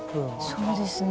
そうですね。